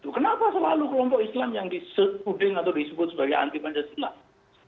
kenapa selalu kelompok islam yang disebut sebagai anti pancasila